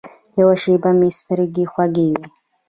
یوه شېبه مې سترګې خوږې وې.